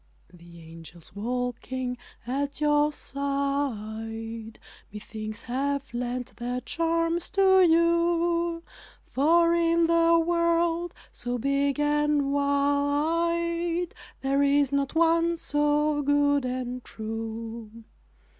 The angels walking at your side, Methinks have lent their charms to you, For in the world so big and wide, There is not one so good and true.